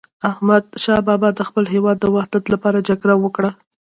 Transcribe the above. احمد شاه بابا د خپل هیواد د وحدت لپاره جګړه وکړه.